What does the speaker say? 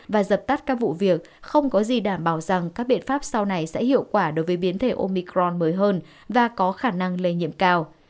và dập tắt các vụ việc không có gì đảm bảo rằng các biện pháp sau này sẽ hiệu quả đối với biến thể omicron mới hơn và có khả năng lây nhiễm cao